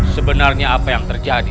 sebenarnya apa yang terjadi